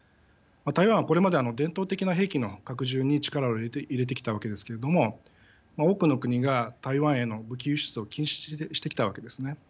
台湾はこれまで伝統的な兵器の拡充に力を入れてきたわけですけれども多くの国が台湾への武器輸出を禁止してきたわけですね。